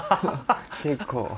結構。